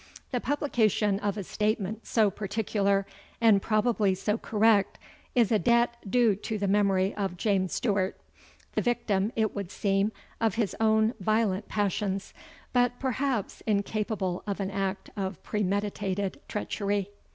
The publication of a statement so particular, and probably so correct, is a debt due to the memory of James Stewart; the victim, it would seem, of his own violent passions, but perhaps incapable of an act of premeditated treachery.